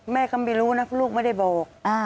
แม่ก็ไม่รู้นะลูกไม่ได้บอก